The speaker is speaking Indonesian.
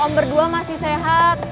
om berdua masih sehat